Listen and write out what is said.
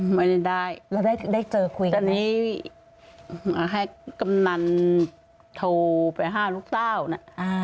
ไม่ได้ได้แล้วได้เจอคุยกันตอนนี้ให้กำนันโทรไปห้าลูกเต้านะ